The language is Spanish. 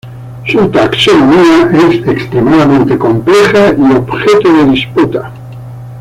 Su taxonomía es extremadamente compleja y objeto de disputa.